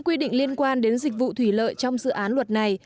quy định liên quan đến dịch vụ thủy lợi trong dự án luật này